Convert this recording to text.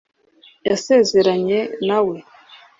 Yasezeranye na we